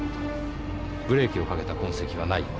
ブレーキをかけた痕跡はないようです。